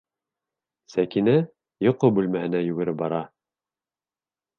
Сәкинә йоҡо бүлмәһенә йүгереп бара.